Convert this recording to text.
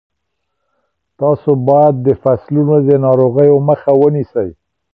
تاسو باید د فصلونو د ناروغیو مخه ونیسئ.